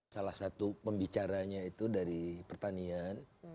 salah satu pembicaranya itu dari pertanian